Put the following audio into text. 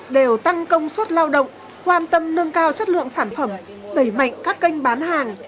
đều tăng công suất lao động quan tâm nâng cao chất lượng sản phẩm đẩy mạnh các kênh bán hàng